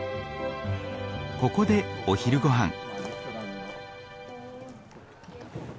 ここでお昼ごはん。